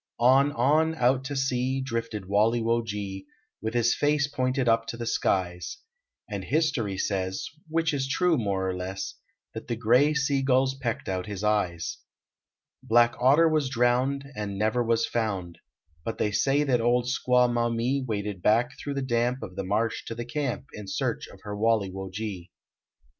On, on, out to sea, Drifted Walle wo ge, With his face pointed up to the skies ; And history says, Which is true, more or less, That the gray sea gulls pecked out his eyes. Black Otter was drowned And never was found ; But they say that old Squaw Maumee Waded back thro the damp Of the marsh to the camp In search of her Walle wo ge.